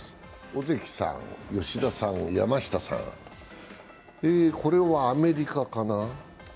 尾関さん、吉田さん山下さん、これはアメリカかな？